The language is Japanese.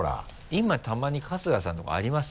今たまに春日さんとかあります？